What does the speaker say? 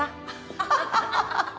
ハハハハ。